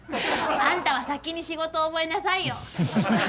あんたは先に仕事を覚えなさいよ。